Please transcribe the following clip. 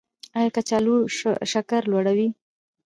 ایا کچالو شکر لوړوي؟